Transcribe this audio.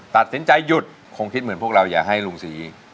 ตัดสินใจหยุดคงคิดเหมือนพวกเราอย่าให้ลุงศรี